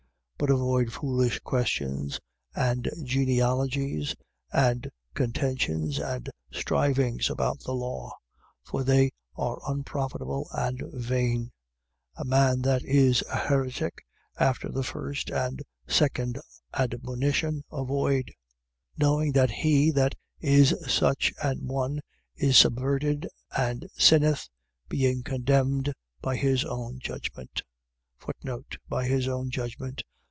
3:9. But avoid foolish questions and genealogies and contentions and strivings about the law. For they are unprofitable and vain. 3:10. A man that is a heretic, after the first and second admonition, avoid: 3:11. Knowing that he that is such an one is subverted and sinneth, being condemned by his own judgment. By his own judgment.